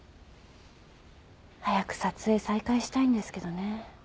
早く撮影再開したいんですけどね。